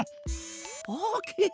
オッケー！